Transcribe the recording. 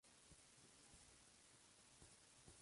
El edificio se encuentra actualmente en construcción.